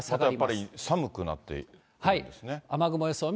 あとやっぱり寒くなってくるんですね。